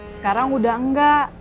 sekarang udah engga